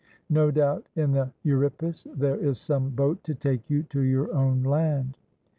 No doubt in the Euripus there is some boat to take you to your own land."